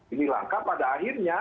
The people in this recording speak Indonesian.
ini langka pada akhirnya